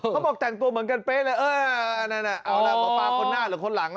เขาบอกแต่งตัวเหมือนกันเป๊ะเลยเอออันนั้นเอาล่ะหมอปลาคนหน้าหรือคนหลัง